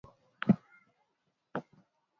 kwa mfano kama utamaduni wa eneo hilo ni ngoma